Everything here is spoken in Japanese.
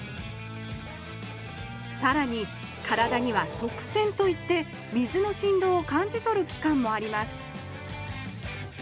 さらに体には側線といって水のしんどうを感じ取る器官もあります